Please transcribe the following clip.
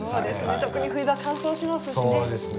特に冬場乾燥しますしね。